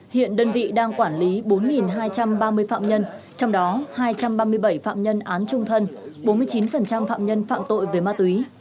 hiện đơn vị đang quản lý bốn hai trăm ba mươi phạm nhân trong đó hai trăm ba mươi bảy phạm nhân án trung thân bốn mươi chín phạm nhân phạm tội về ma túy